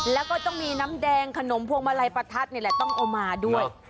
แล้วก็ต้องมีน้ำแดงขนมพวงมาลัยประทัดนี่แหละต้องเอามาด้วย